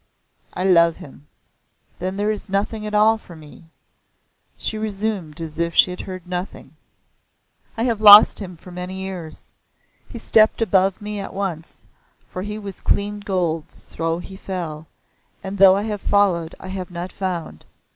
"I love him." "Then there is nothing at all for me." She resumed as if she had heard nothing. "I have lost him for many lives. He stepped above me at once, for he was clean gold though he fell, and though I have followed I have not found.